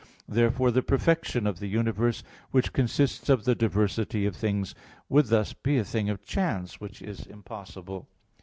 Therefore, the perfection of the universe, which consists of the diversity of things, would thus be a thing of chance, which is impossible.